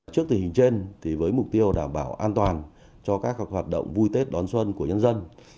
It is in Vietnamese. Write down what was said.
trước tình hình trên với mục tiêu đảm bảo an toàn cho các hoạt động vui tết đón xuân của nhân dân